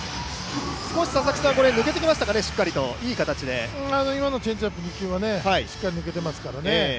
少し抜けてきましたかね、いい形で今のチェンジアップはしっかり抜けてますからね